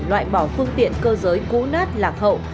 loại bỏ phương tiện cơ giới cũ nát lạc hậu